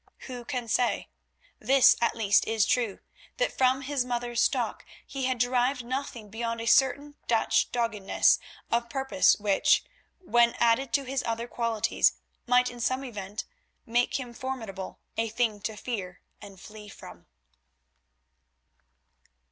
Who can say? This at least is true, that from his mother's stock he had derived nothing beyond a certain Dutch doggedness of purpose which, when added to his other qualities, might in some events make him formidable—a thing to fear and flee from.